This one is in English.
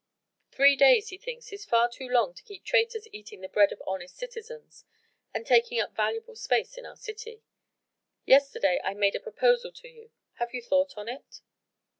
Three days he thinks is far too long to keep traitors eating the bread of honest citizens and taking up valuable space in our city. Yesterday I made a proposal to you. Have you thought on it?"